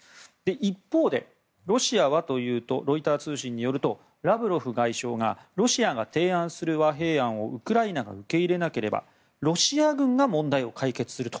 一方でロシアはというとロイター通信によるとラブロフ外相がロシアが提案する和平案をウクライナが受け入れなければロシア軍が問題を解決すると。